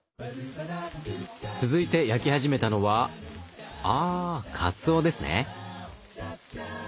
続いて焼き始めたのはああかつおですね。